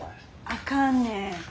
あかんねん。